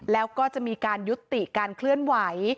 แล้วก็จะมีการยุติการเคลื่อนไหว